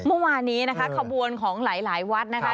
เมื่อวานนี้นะคะขบวนของหลายหลายวัดนะคะ